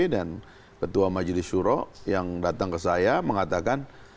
dan ketua majelis shuro yang datang ke saya mengatakan